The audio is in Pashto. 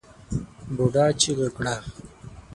بوډا چيغه کړه!